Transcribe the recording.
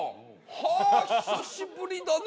はあ久しぶりだね。